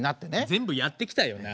全部やってきたよなあ。